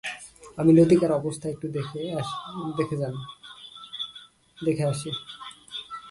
আমি লতিকার অবস্থা একটু দেখে যান, দেখে আসি।